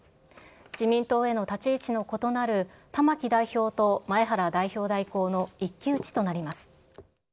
自民党への立ち位置の異なる玉木代表と前原代表代行の一騎打ちとなります。